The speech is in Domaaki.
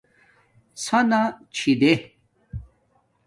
ڎنݳ چھیݺی